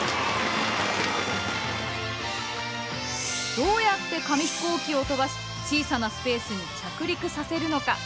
どうやって紙ヒコーキを飛ばし小さなスペースに着陸させるのか？